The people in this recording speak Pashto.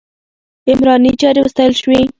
عمراني چارې وستایل شوې.